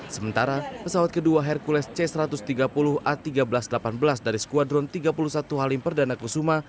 sementara pesawat kedua hercules c satu ratus tiga puluh a tiga belas delapan belas dari skuadron tiga puluh satu halim perdana kusuma